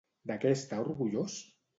De què està orgullós?